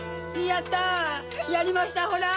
やりましたホラ！